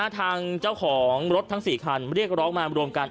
ทางเจ้าของรถทั้ง๔คันเรียกร้องมารวมกัน